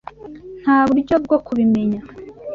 Nta buryo bwo kubimenya.